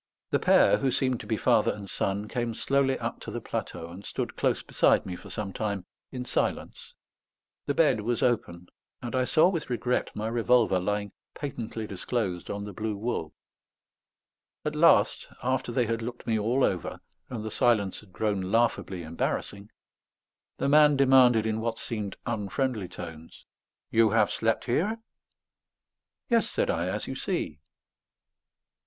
The pair, who seemed to be father and son, came slowly up to the plateau, and stood close beside me for some time in silence. The bed was open, and I saw with regret my revolver lying patently disclosed on the blue wool. At last, after they had looked me all over, and the silence had grown laughably embarrassing, the man demanded in what seemed unfriendly tones: "You have slept here?" "Yes," said I. "As you see."